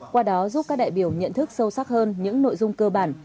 qua đó giúp các đại biểu nhận thức sâu sắc hơn những nội dung cơ bản